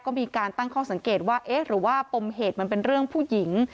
ก็มีการตั้งข้อสังเกตว่าเอ๊ะหรือว่าปมเหตุมันเป็นเรื่องผู้หญิง